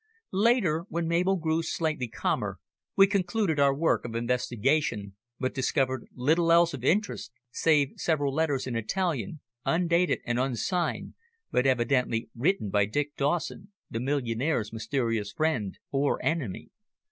Later, when Mabel grew slightly calmer, we concluded our work of investigation, but discovered little else of interest save several letters in Italian, undated and unsigned, but evidently written by Dick Dawson, the millionaire's mysterious friend or enemy.